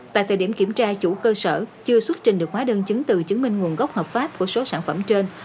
tại thời điểm kiểm tra chủ cơ sở chưa xuất trình được hóa đơn chứng từ chứng minh nguồn gốc hợp pháp của số sản phẩm trên